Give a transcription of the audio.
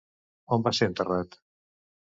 On va ser enterrat?